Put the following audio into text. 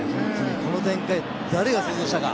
この展開、誰が想像したか。